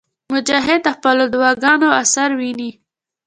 مجاهد د خپلو دعاګانو اثر ویني.